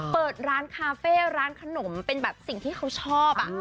เปิดร้านคาเฟ่ร้านขนมเป็นแบบสิ่งที่เขาชอบ